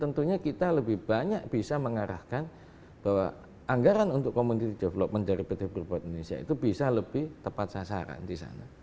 tentunya kita lebih banyak bisa mengarahkan bahwa anggaran untuk community development dari pt freeport indonesia itu bisa lebih tepat sasaran di sana